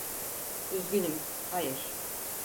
Üzgünüm, hayır.